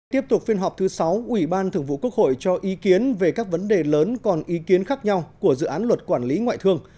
tiếp tục phiên họp thứ sáu ủy ban thường vụ quốc hội cho ý kiến về các vấn đề lớn còn ý kiến khác nhau của dự án luật quản lý ngoại thương